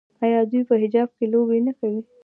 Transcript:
آیا دوی په حجاب کې لوبې نه کوي؟